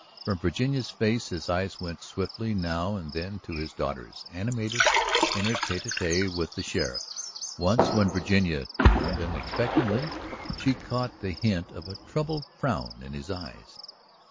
From Virginia's face his eyes went swiftly now and then to his daughter's, animated in her tête à tête with the sheriff. Once, when Virginia turned unexpectedly, she caught the hint of a troubled frown in his eyes.